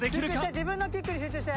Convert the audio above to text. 自分のキックに集中して！